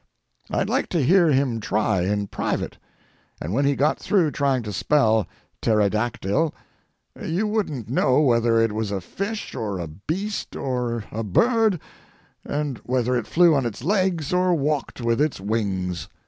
I'd like to hear him try in private, and when he got through trying to spell "pterodactyl" you wouldn't know whether it was a fish or a beast or a bird, and whether it flew on its legs or walked with its wings.